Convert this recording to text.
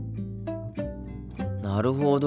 なるほど。